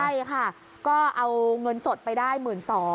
ใช่ค่ะก็เอาเงินสดไปได้๑๒๐๐